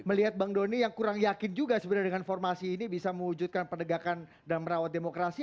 melihat bang doni yang kurang yakin juga sebenarnya dengan formasi ini bisa mewujudkan pendegakan dan merawat demokrasi